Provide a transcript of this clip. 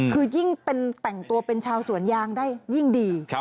คือยิ่งแต่งตัวเป็นชาวสวนยางได้ยิ่งดี